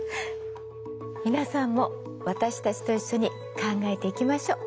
皆さんも私たちと一緒に考えていきましょ。